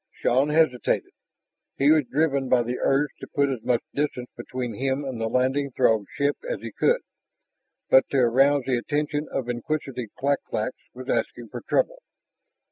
Shann hesitated. He was driven by the urge to put as much distance between him and the landing Throg ship as he could. But to arouse the attention of inquisitive clak claks was asking for trouble.